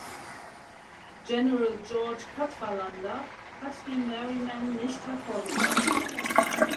General George Cadwalader hat die Merryman nicht hervorgebracht.